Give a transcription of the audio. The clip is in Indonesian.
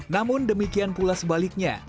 namun demikian pula sebaliknya